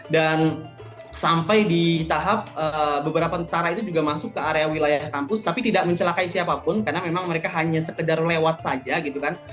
dan sampai di tahap beberapa tentara itu juga masuk ke area wilayah kampus tapi tidak mencelakai siapapun karena memang mereka hanya sekedar lewat saja gitu kan